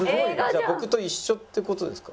「僕と一緒って事ですか？」。